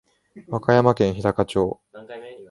和歌山県日高町